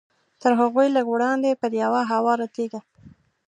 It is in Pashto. تر هغوی لږ وړاندې پر یوه هواره تیږه.